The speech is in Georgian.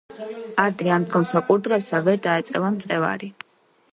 ადრე ამდგომსა კურდღელსა ვერ დაეწევა მწევარი